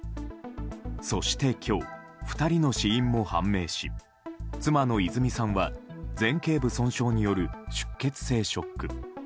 そして今日、２人の死因も判明し妻の泉さんは前頸部損傷による出血性ショック。